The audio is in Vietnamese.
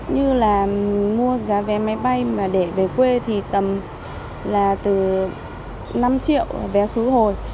như là mua giá vé máy bay mà để về quê thì tầm là từ năm triệu vé khứ hồi